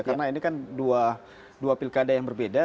karena ini kan dua pilkada yang berbeda